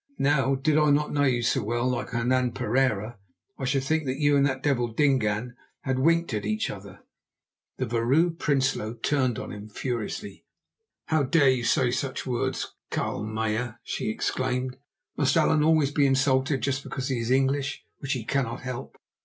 Now, did I not know you so well, like Hernan Pereira I should think that you and that devil Dingaan had winked at each other." The Vrouw Prinsloo turned on him furiously. "How dare you say such words, Carl Meyer?" she exclaimed. "Must Allan always be insulted just because he is English, which he cannot help?